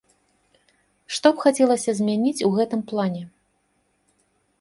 Што б хацелася змяніць у гэтым плане?